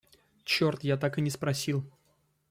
Черт, я так и не спросил.